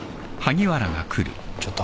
ちょっと。